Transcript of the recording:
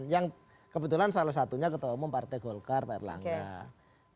yang kebetulan salah satunya ketemu partai golkar perlangga